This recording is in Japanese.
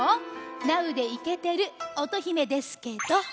ナウでイケてる乙姫ですけど。